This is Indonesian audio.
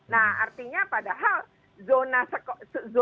nah artinya padahal zona sekolah sekolah